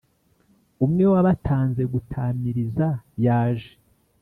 Umwe wabatanze gutamiriza yaje